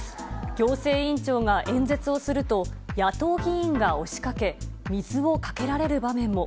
行政委員長が演説をすると、野党議員が押しかけ、水をかけられる場面も。